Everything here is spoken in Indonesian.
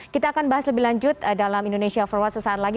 kita akan bahas lebih lanjut dalam indonesia forward sesaat lagi